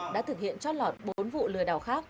đã thực hiện trót lọt bốn vụ lừa đảo khác